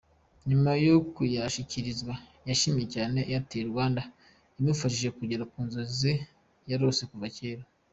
Nyuma yo kuyashyikirizwa, yashimiye cyane Airtel Rwanda imufashije kugera ku nzozi yarose kuva kera.